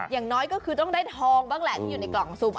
อย่างน้อยก็คือต้องได้ทองบ้างแหละที่อยู่ในกล่องซุม